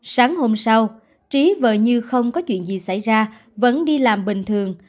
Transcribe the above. sáng hôm sau trí vờ như không có chuyện gì xảy ra vẫn đi làm bình thường